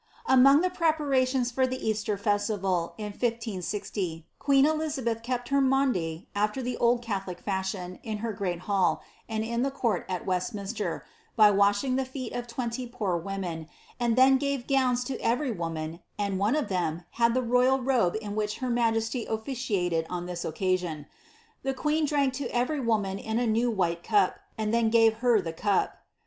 '^ Among the preparations for the Easter festival, in 1 560, queen Eliza beth kept her Maunday after the old Catholic fashion, in her great hall, in the court at Westminster, by washing the feet of twenty poor women, and then gave gowns to every woman, and one of them had the royal robe in which her majesty officiated on this occasion. The queen drank to every woman in a new white cup, and then gave her the cup.